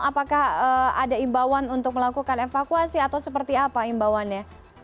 apakah ada imbauan untuk melakukan evakuasi atau seperti apa imbauannya